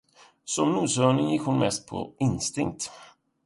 Som noshörning gick hon mest på instinkt.